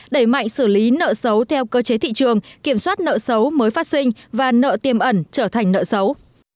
đẩy mạnh xử lý nợ xấu theo cơ chế thị trường kiểm soát nợ xấu mới phát sinh và nợ tiêm ẩn trở thành nợ xấu